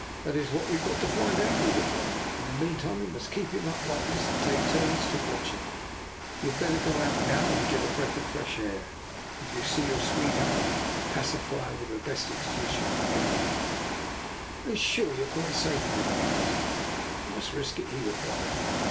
"" That is what we've got to find out," he replied. " In the meantime we must keep him up like this, and take it in turns to watch him. You had better go out now and get a 294 DR. NIKOLA'S EXPERIMENT. breath of fresh air. If you see your sweet heart, pacify her with the best excuse you can think of." " Are you quite sure you are safe with him alone? '' I asked. " I must risk it/' he replied.